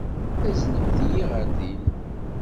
Aznemt-iyi ɣer din.